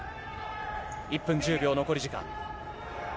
１分１０秒、残り時間。